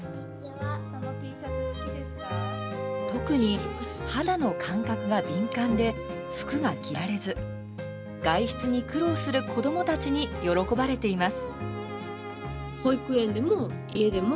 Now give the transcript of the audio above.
特に肌の感覚が敏感で服が着られず外出に苦労する子どもたちに喜ばれています。